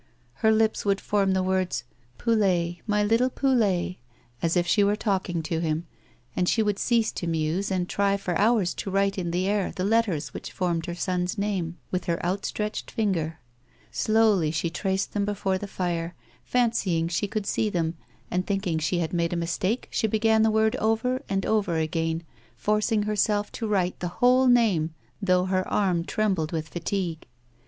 Her lips would form the words, " Poulet, my little Poulet," as if she were talking to him, and she would cease to muse, and try for hours to write in the air the letters which formed her son's name, with her outstretched finger. Slowly she traced them before the fire, fancying she could see them, then, thinking she had made a mistake, she began the word over and over again, forcing herself to write the whole name though her arm trembled with fatigue.